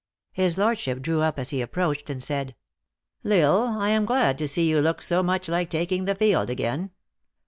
His lordship drew up as he approached, and said :" L Isle, I am glad to see you look so much like taking the field again.